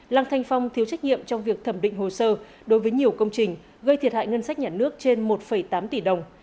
lăng thanh phong thiếu trách nhiệm trong việc thẩm định hồ sơ đối với nhiều công trình gây thiệt hại ngân sách nhà nước trên một tám tỷ đồng